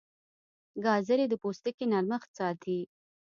ګازرې د پوستکي نرمښت ساتي.